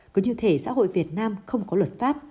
cứ như thế xã hội việt nam không có luật pháp